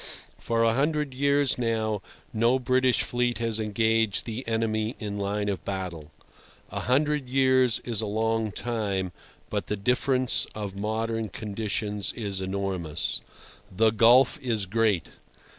For a hundred years now no British fleet has engaged the enemy in line of battle. A hundred years is a long time, but the difference of modern conditions is enormous. The gulf is great.